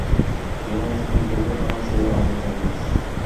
Ибраимовдун келбей калган себеби азырынча белгисиз.